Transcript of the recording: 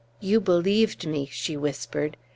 "You believed me!" she whispered.